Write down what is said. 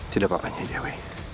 tidak apanya dewi